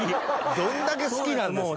どんだけ好きなんですか。